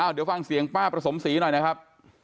เดี๋ยวให้ดีใครทำข่าว